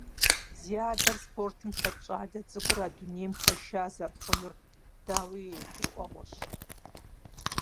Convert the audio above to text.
Зи адэр спортым хэт щӏалэ цӏыкӏур а дунейм хэша зэрыхъунур, дауи, гурыӏуэгъуэщ.